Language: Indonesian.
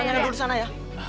saya tanya dulu di sana ya